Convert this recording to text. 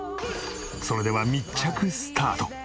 それでは密着スタート。